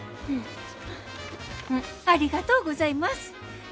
ありがとうございます。